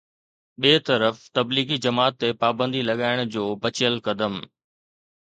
ٻئي طرف تبليغي جماعت تي پابندي لڳائڻ جو بچيل قدم